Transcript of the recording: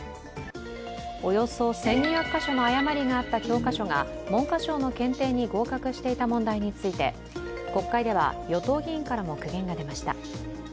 およそ１２００か所の誤りがあった教科書が文科省の検定に合格していた問題について国会では与党議員からも苦言が出ました。